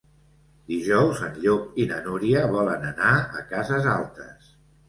Dijous en Llop i na Núria volen anar a Cases Altes.